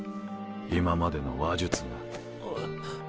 今までの話術が。えっ？